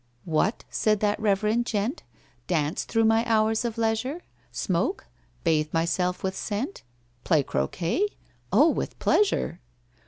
"What?" said that reverend gent, "Dance through my hours of leisure? Smoke?—bathe myself with scent?— Play croquêt? Oh, with pleasure!